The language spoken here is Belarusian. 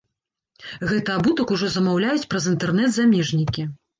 Гэты абутак ужо замаўляюць праз інтэрнэт замежнікі.